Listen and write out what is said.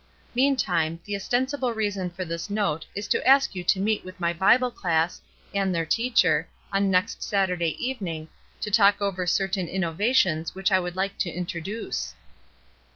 Meantime, the ostensible reason for this note is to ask you to meet with my Bible class, and their teacher, on next Saturday evening, to talk over certain innovations which I would like to introduce."